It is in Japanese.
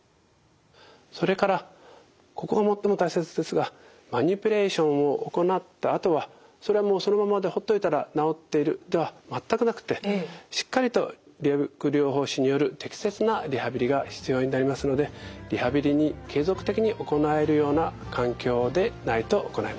それからここが最も大切ですがマニピュレーションを行ったあとはそれはもうそのままでほっといたら治っているでは全くなくてしっかりと理学療法士による適切なリハビリが必要になりますのでリハビリに継続的に行えるような環境でないと行えません。